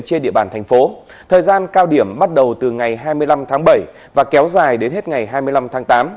trên địa bàn thành phố thời gian cao điểm bắt đầu từ ngày hai mươi năm tháng bảy và kéo dài đến hết ngày hai mươi năm tháng tám